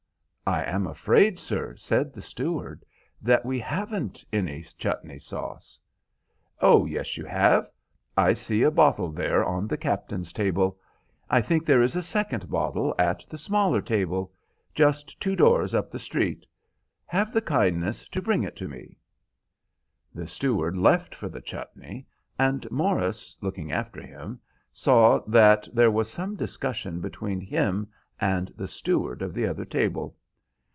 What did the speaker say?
"I am afraid, sir," said the steward, "that we haven't any chutney sauce." "Oh yes, you have. I see a bottle there on the captain's table. I think there is a second bottle at the smaller table. Just two doors up the street. Have the kindness to bring it to me." The steward left for the chutney, and Morris looking after him, saw that there was some discussion between him and the steward of the other table.